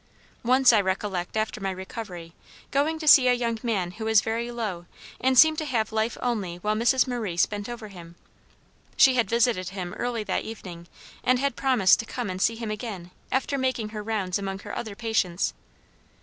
Once I recollect after my recovery, going to see a young man who was very low and seemed to have life only while Mrs. Maurice bent over him. She had visited him early that evening, and had promised to come and see him again after making her rounds among her other patients.